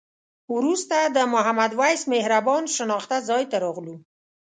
وروسته د محمد وېس مهربان شناخته ځای ته راغلو.